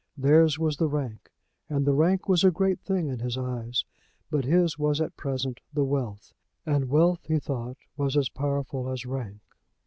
Theirs was the rank, and the rank was a great thing in his eyes; but his was at present the wealth; and wealth, he thought was as powerful as rank.